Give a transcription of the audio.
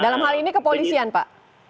dalam hal ini kepolisian pak